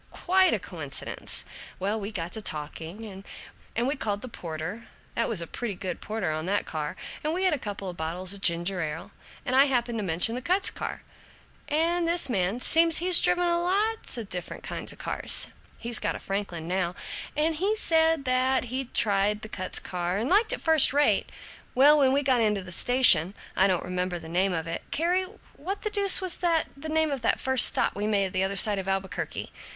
Quite a coincidence! Well, we got to talking, and we called the porter that was a pretty good porter on that car and we had a couple bottles of ginger ale, and I happened to mention the Kutz Kar, and this man seems he's driven a lot of different kinds of cars he's got a Franklin now and he said that he'd tried the Kutz and liked it first rate. Well, when we got into a station I don't remember the name of it Carrie, what the deuce was the name of that first stop we made the other side of Albuquerque?